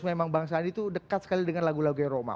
memang bang sandi itu dekat sekali dengan lagu lagunya roma